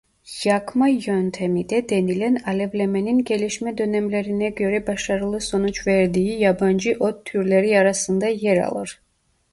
Yakma yöntemi de denilen alevlemenin gelişme dönemlerine göre başarılı sonuç verdiği yabancı ot türleri arasında yer alır.